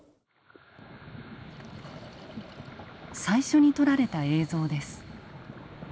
最初に撮られた映像です。